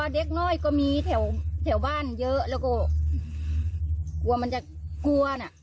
เด็กน้อยก็มีแถวบ้านเยอะแล้วก็กลัวมันจะกลัวน่ะ